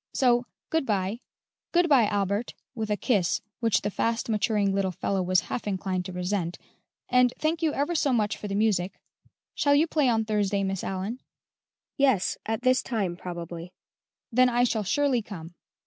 So, good bye; good bye, Albert (with a kiss, which the fast maturing, little fellow was half inclined to resent), and thank you ever so much for the music. Shall you play on Thursday, Miss Allyn?" "Yes; at this same time, probably." "Then I shall surely come."